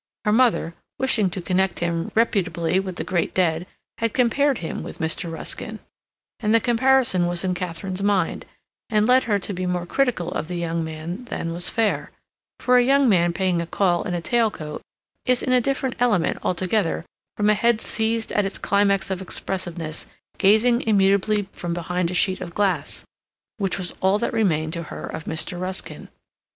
Her mother, wishing to connect him reputably with the great dead, had compared him with Mr. Ruskin; and the comparison was in Katharine's mind, and led her to be more critical of the young man than was fair, for a young man paying a call in a tail coat is in a different element altogether from a head seized at its climax of expressiveness, gazing immutably from behind a sheet of glass, which was all that remained to her of Mr. Ruskin.